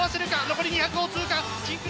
残り２００を通過！